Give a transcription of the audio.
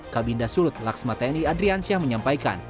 kabinda sulut laksamata ni adrian syah menyampaikan